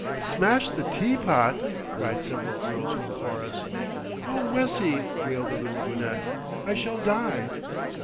"Smashed the teapot!" cried several girls in chorus. "Oh! Wessie," wailed the little brunette, "I shall die."